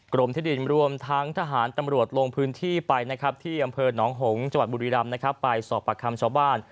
กรมที่ดินรวมทั้งทหารตำรวจลงพื้นที่ไปนะครับที่อำเภอหนองหงษ์จังหวัดบุรีรำไปสอบประคำชาวบ้าน